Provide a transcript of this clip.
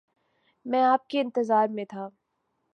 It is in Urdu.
میں آپ کے انتظار میں تھا